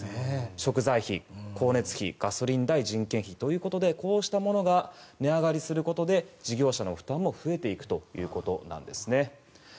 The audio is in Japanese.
食材費、光熱費、ガソリン代人件費ということでこうしたものが値上がりすることで事業者の負担も増えていくということです。